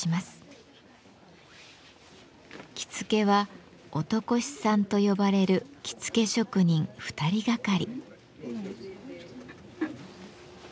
着付けは「男衆さん」と呼ばれる着付け職人２人がかり。